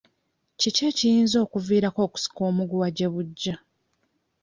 Kiki ekiyinza okuviirako okusika omuguwa gye bujja?